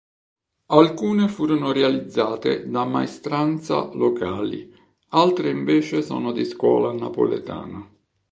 Alcune furono realizzate da maestranza locali, altre invece sono di scuola napoletana.